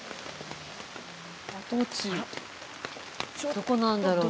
どこなんだろう？